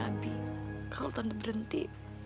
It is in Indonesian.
aku mau pergi